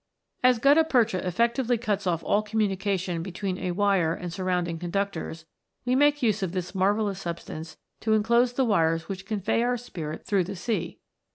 As gutta percha effectually cuts off all communi cation between a wire and surrounding conductors, we make use of this marvellous substance to enclose the wires which convey our Spirit through the sea.